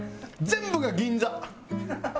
「全部が銀座」？